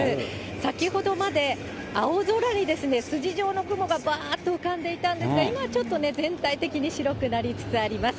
先ほどまで青空に筋状の雲がばーっと浮かんでいたんですが、今はちょっとね、全体的に白くなりつつあります。